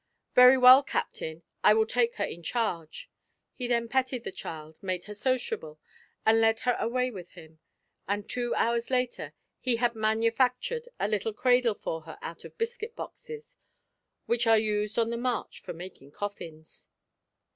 'Very well, Captain, I will take her in charge.' He then petted the child, made her sociable, and led her away with him, and two hours later he had manufactured a little cradle for her out of biscuit boxes which are used on the march for making coffins.